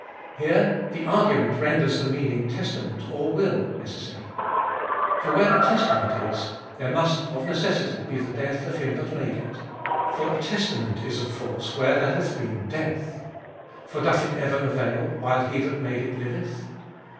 Here the argument renders the meaning "testament" or "will" necessary. For where a testament is, there must of necessity be the death of him that made it. For a testament is of force where there hath been death : for doth it ever avail while he that made it liveth